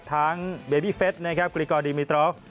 ทั้งเบบีเฟสกริกอร์ดิมิตรอฟ